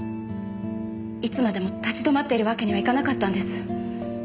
いつまでも立ち止まっているわけにはいかなかったんです。